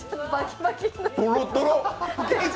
トロトロ！